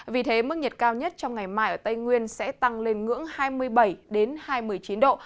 vì thế mức nhiệt cao nhất trong ngày mai ở tây nguyên sẽ tăng lên ngưỡng hai mươi bảy hai mươi chín độ